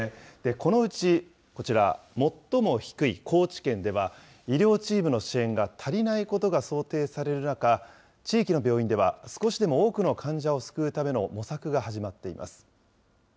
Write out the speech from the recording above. このうちこちら、最も低い高知県では、医療チームの支援が足りないことが想定される中、地域の病院では、少しでも多くの患者を救うための模索が始まっています。